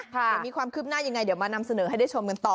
เดี๋ยวมีความคืบหน้ายังไงเดี๋ยวมานำเสนอให้ได้ชมกันต่อ